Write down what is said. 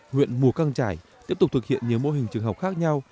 nguyện mùa căng trải tiếp tục thực hiện nhiều mô hình trường học khác nhau